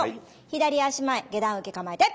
左足前下段受け構えて。